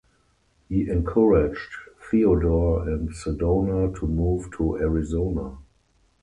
He encouraged Theodore and Sedona to move to Arizona.